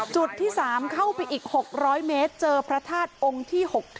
จุดที่๓เข้าไปอีก๖๐๐เมตรเจอพระธาตุองค์ที่๖๙